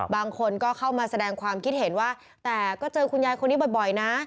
บางคนก็เข้ามาแสดงความคิดเห็นว่าแต่ก็เจอคุณยายคนนี้บ่อยนะ